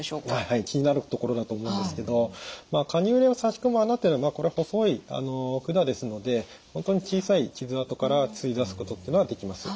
はい気になるところだと思うんですけどカニューレをさし込む孔というのはこれ細い管ですので本当に小さい傷あとから吸い出すことっていうのができます。